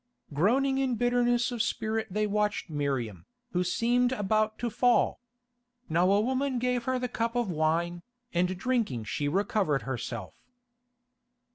Groaning in bitterness of spirit they watched Miriam, who seemed about to fall. Now a woman gave her the cup of wine, and drinking she recovered herself.